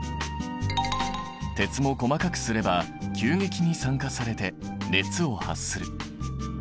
鉄も細かくすれば急激に酸化されて熱を発する。